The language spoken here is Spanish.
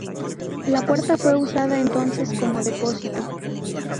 La puerta fue usada entonces como depósito.